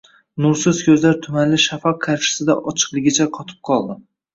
Nursiz ko`zlar tumanli shafaq qarshisida ochiqligicha qotib qoldi